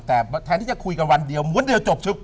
แต่แทนที่จะคุยกันวันเดียวม้วนเดียวจบ